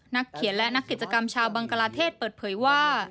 นักเขียนและนักกิจกรรมชาวบังกลาเทศเปิดเผยว่า